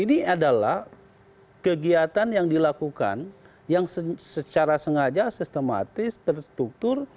ini adalah kegiatan yang dilakukan yang secara sengaja sistematis terstruktur